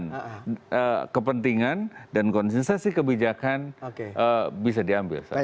kepentingan dan konsistensi kebijakan bisa diambil